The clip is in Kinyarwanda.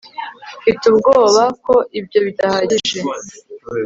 mfite ubwoba ko ibyo bidahagije